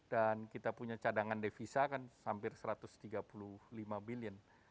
dan kita punya cadangan devisa kan hampir satu ratus tiga puluh lima billion